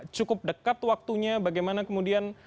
cukup dekat waktunya bagaimana kemudian